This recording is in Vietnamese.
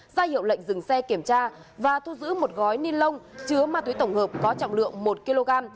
ra hiệu lệnh dừng xe kiểm tra và thu giữ một gói ni lông chứa ma túy tổng hợp có trọng lượng một kg